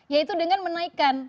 yaitu dengan menaikkan